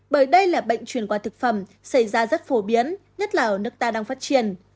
bởi đây là bệnh truyền qua thực phẩm xảy ra rất phổ biến nhất là ở nước ta đang phát triển